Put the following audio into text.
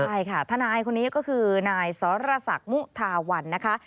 ใช่ค่ะทนายคนนี้ก็คือนายสรษักมุทาวันนะคะ